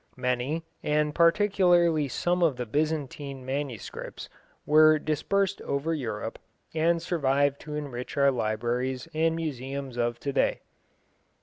Many, and particularly some of the Byzantine manuscripts, were dispersed over Europe, and survive to enrich our libraries and museums of to day.